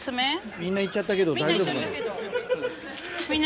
みんな行っちゃったけど大丈夫かな。